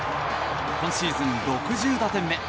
今シーズン６０打点目。